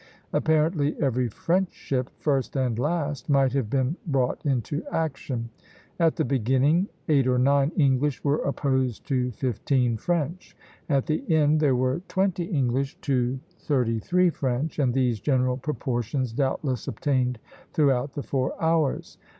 Apparently every French ship, first and last, might have been brought into action. At the beginning, eight or nine English were opposed to fifteen French. At the end there were twenty English to thirty three French, and these general proportions doubtless obtained throughout the four hours.